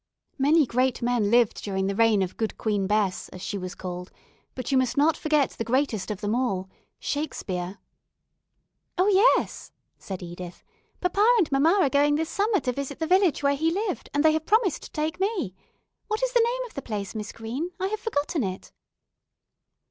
"Many great men lived during the reign of 'Good Queen Bess,' as she was called, but you must not forget the greatest of them all Shakespeare." "Oh, yes," said Edith, "papa and mamma are going this summer to visit the village where he lived, and they have promised to take me. What is the name of the place, Miss Green? I have forgotten it."